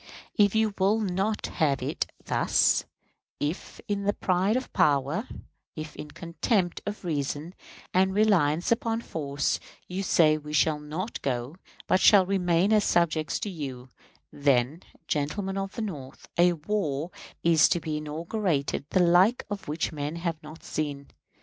If you will not have it thus if in the pride of power, if in contempt of reason, and reliance upon force, you say we shall not go, but shall remain as subjects to you then, gentlemen of the North, a war is to be inaugurated the like of which men have not seen.